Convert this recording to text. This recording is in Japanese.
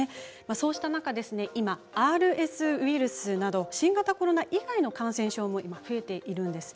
そうした中、今ＲＳウイルスなど新型コロナ以外の感染症も今、増えているんです。